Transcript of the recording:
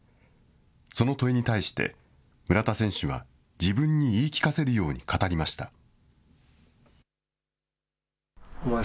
その問いに対して村田選手は、自分に言い聞かせるように語りました。